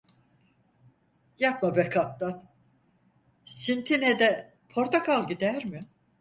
Yapma be kaptan, sintinede portakal gider mi?